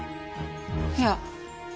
いや。